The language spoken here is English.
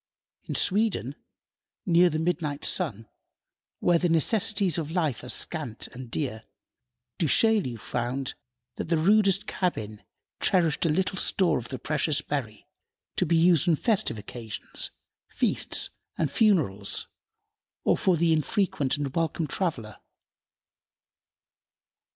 In Sweden, near the midnight sun, where the necessaries of life are scant and dear, Du Chaillu found that the rudest cabin cherished a little store of the precious berry to be used on festive occasions, feasts and funerals, or for the infrequent and welcome traveler.